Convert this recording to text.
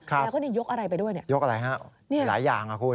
แล้วก็นี่ยกอะไรไปด้วยเนี่ยยกอะไรฮะนี่หลายอย่างอ่ะคุณ